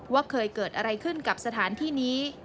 ว่าเคยเกิดอะไรขึ้นกับสถานที่นี้